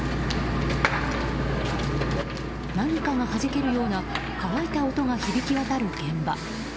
何かがはじけるような乾いた音が響き渡る現場。